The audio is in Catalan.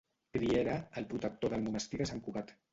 Griera, el protector del monestir de Sant Cugat.